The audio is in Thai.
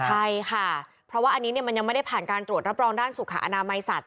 ใช่ค่ะเพราะว่าอันนี้มันยังไม่ได้ผ่านการตรวจรับรองด้านสุขอนามัยสัตว